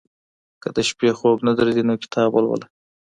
که د شپې خوب نه درځي نو کتاب ولوله.